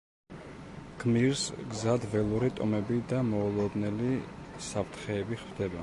გმირს გზად ველური ტომები და მოულოდნელი საფრთხეები ხვდება.